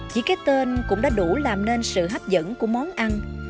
chỉ cái tên cũng đã đủ làm nên sự hấp dẫn của món ăn